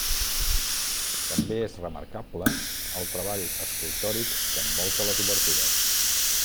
També és remarcable el treball escultòric que envolta les obertures.